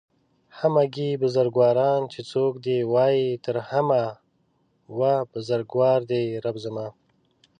همگي بزرگواران چې څوک يې وايي تر همه و بزرگوار دئ رب زما